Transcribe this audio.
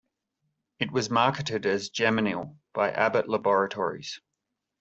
It was marketed as Gemonil by Abbott Laboratories.